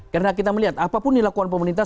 karena kita melihat apapun dilakukan pemerintah